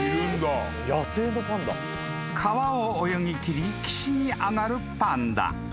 ［川を泳ぎきり岸に上がるパンダ］